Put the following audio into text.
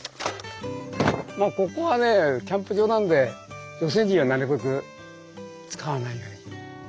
もうここはねキャンプ場なんで女性陣はなるべく使わないように。